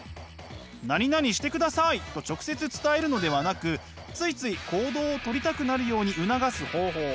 「何々してください」と直接伝えるのではなくついつい行動をとりたくなるように促す方法